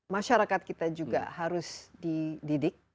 masyarakat kita juga harus dididik